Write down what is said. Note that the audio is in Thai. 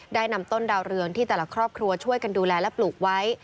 ได้นำต้นดาวเรืองที่แต่ละครอบครัวช่วยกันดูแลและปลูกไว้